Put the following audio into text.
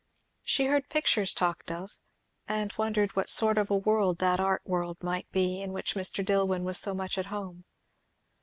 She heard pictures talked of, and wondered what sort of a world that art world might be, in which Mr. Dillwyn was so much at home.